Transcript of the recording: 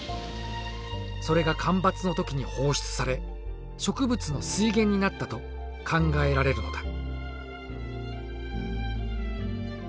それが干ばつの時に放出され植物の水源になったと考えられるのだ。